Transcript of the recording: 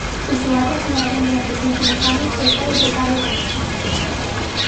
Usuarias sinalaron durante os últimos anos o estado precario do mesmo.